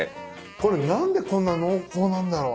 これ何でこんな濃厚なんだろう？